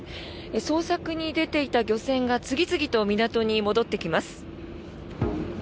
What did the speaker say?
捜索に出ていた漁船が次々と港に戻ってきます。